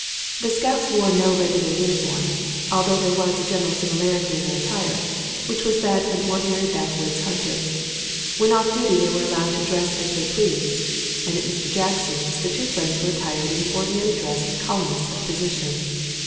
The scouts wore no regular uniform, although there was a general similarity in their attire, which was that of an ordinary backwoods hunter. When off duty they were allowed to dress as they pleased, and at Mr. Jackson's the two friends were attired in the ordinary dress of colonists of position.